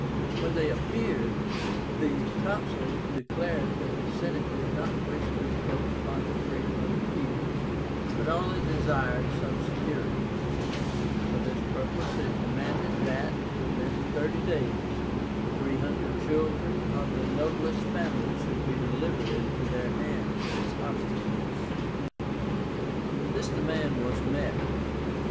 When they appeared, the Consuls declared that the Senate did not wish to encroach upon the freedom of the people, but only desired some security; for this purpose it demanded that, within thirty days, three hundred children of the noblest families should be delivered into their hands as hostages. This demand was met.